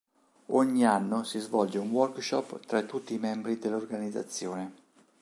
Ogni anno si svolge un workshop tra tutti i membri dell'organizzazione.